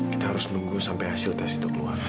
kita harus nunggu sampe hasil tas itu keluar